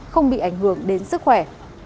không bị ảnh hưởng đến sức khỏe